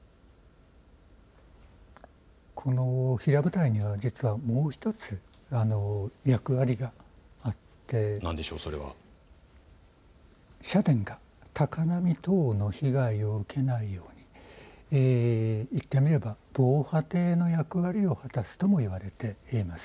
この平舞台には実はもう１つ役割があって社殿が高波等の被害を受けないように言ってみれば防波堤の役割を果たすともいわれています。